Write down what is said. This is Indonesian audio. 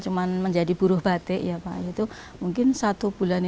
cuma menjadi buruh batik mungkin satu bulan itu